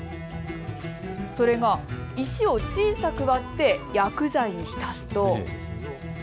それが石を小さく割って薬剤に浸すと。